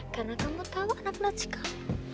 karena kamu tau anak natchikal